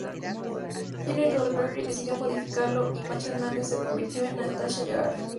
Gene Roddenberry decidió modificarlo, y Macha Hernández se convirtió en Natasha Yar.